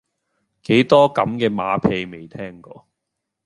幾多咁嘅馬屁未聽過